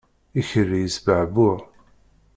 Ikerri yesbeɛbuɛ.